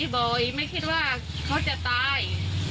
พอรู้ว่าเขาตาย